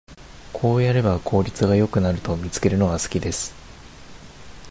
こうやれば効率が良くなると見つけるのが好きです